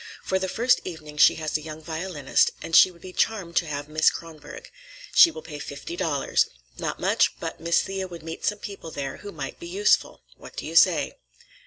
For the first evening she has a young violinist, and she would be charmed to have Miss Kronborg. She will pay fifty dollars. Not much, but Miss Thea would meet some people there who might be useful. What do you say?"